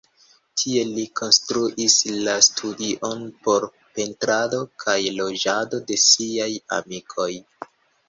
Tie li konstruis la studion por pentrado kaj loĝado de siaj amikoj.